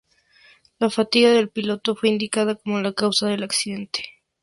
La fatiga del piloto fue indicada como la causa del accidente.